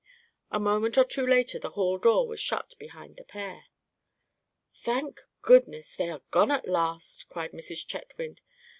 A moment or two later the hall door was shut behind the pair. "Thank goodness, they are gone at last!" cried Mrs. Chetwynd.